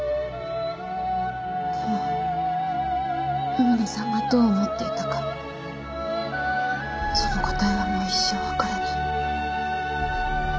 でも海野さんがどう思っていたかその答えはもう一生わからない。